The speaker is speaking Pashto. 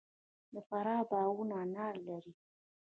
د فراه باغونه انار لري.